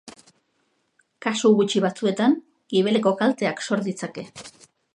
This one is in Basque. Kasu gutxi batzuetan gibeleko kalteak sor ditzake.